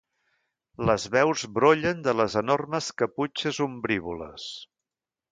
Les veus brollen de les enormes caputxes ombrívoles.